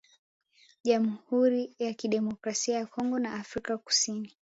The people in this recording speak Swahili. Jamuhuri ya Kidemokrasia ya Kongo na Afrika kusini